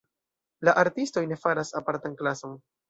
La artistoj ne faras apartan klason.